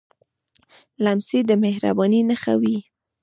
لمسی د مهربانۍ نښه وي.